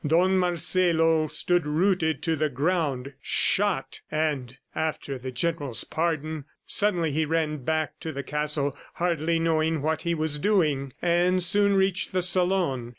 Don Marcelo stood rooted to the ground. Shot! ... and after the General's pardon! ... Suddenly he ran back to the castle, hardly knowing what he was doing, and soon reached the salon.